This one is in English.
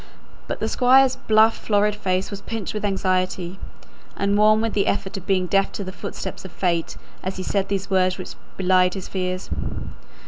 But the Squire's bluff florid face was pinched with anxiety, and worn with the effort of being deaf to the footsteps of fate as he said these words which belied his fears.